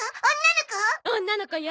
女の子よ。